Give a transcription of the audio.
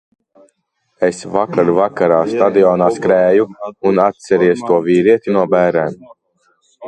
Es vakar vakarā stadionā skrēju, un atceries to vīrieti no bērēm?